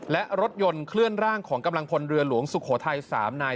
และรถยนต์เคลื่อนร่างของกำลังพลเรือหลวงสุโขทัย๓นาย